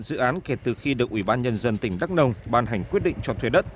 dự án kể từ khi được ủy ban nhân dân tỉnh đắk nông ban hành quyết định cho thuê đất